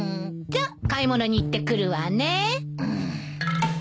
じゃあ買い物に行ってくるわね。